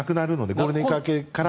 ゴールデンウィーク明けから。